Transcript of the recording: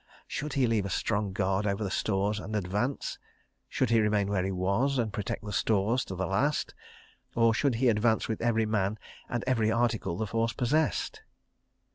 ... Should he leave a strong guard over the stores and advance? Should he remain where he was, and protect the stores to the last? Or should he advance with every man and every article the force possessed?